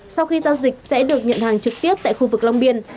sau khi giao dịch sẽ được nhận hàng trực tiếp tại khu vực long biên